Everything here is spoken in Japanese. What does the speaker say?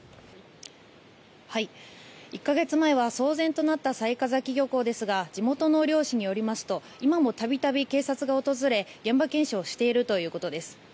１か月前は騒然となった雑賀崎漁港ですが地元の漁師によりますと今も度々、警察が訪れ現場検証しているということです。